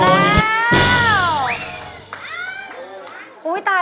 ทุกคนนี้ก็ส่งเสียงเชียร์ทางบ้านก็เชียร์